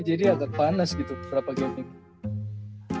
jadi agak panas gitu propaganda